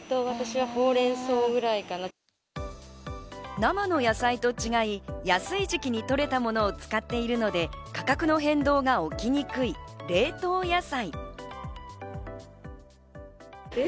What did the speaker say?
生の野菜と違い、安い時期にとれたものを使っているので価格の変動が起きにくい冷凍野菜。